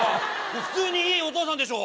普通にいいお父さんでしょ！